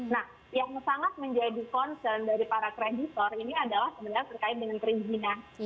nah yang sangat menjadi concern dari para kreditor ini adalah sebenarnya terkait dengan perizinan